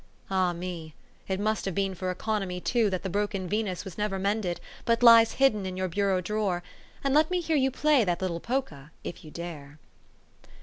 Ah, me ! It must have been for econo my, too, that the broken Venus was never mended, but lies hidden in your bureau drawer ; and let me hear you play that little polka if you dare